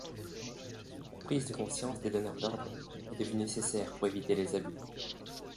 La prise de conscience des donneurs d'ordres est devenue nécessaire pour éviter les abus.